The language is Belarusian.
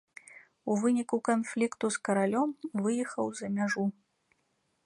У выніку канфлікту з каралём выехаў за мяжу.